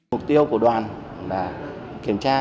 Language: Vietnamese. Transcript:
mục tiêu của đoàn là kiểm tra